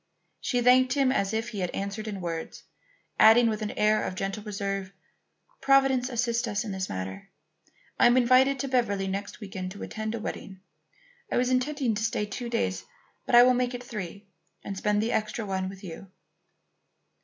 She thanked him as if he had answered in words, adding with an air of gentle reserve: "Providence assists us in this matter. I am invited to Beverly next week to attend a wedding. I was intending to stay two days, but I will make it three and spend the extra one with you."